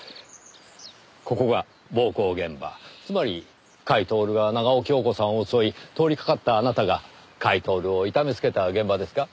ここが暴行現場つまり甲斐享が長尾恭子さんを襲い通りかかったあなたが甲斐享を痛めつけた現場ですか？